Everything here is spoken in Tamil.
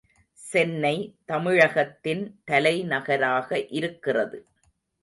சென்னை தமிழகத்தின் தலை நகராக இருக்கிறது.